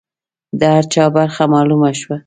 د هر چا برخه معلومه شوه.